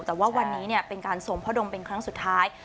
แต่ว่าวันนี้เป็นการทรงพ่อดมเป็นครั้งสุดท้าย